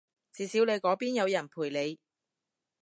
至少你嗰邊有人陪你